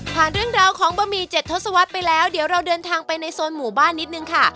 เรื่องราวของบะหมี่เจ็ดทศวรรษไปแล้วเดี๋ยวเราเดินทางไปในโซนหมู่บ้านนิดนึงค่ะ